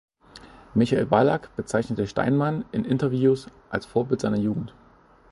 Michael Ballack bezeichnete Steinmann in Interviews als Vorbild seiner Jugend.